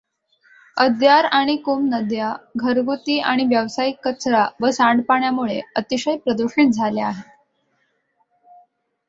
अद्यार आणि कुम नद्या घरगुती आणि व्यावसायिक कचरा व सांडपाण्यामुळे अतिशय प्रदुषित झाल्या आहेत.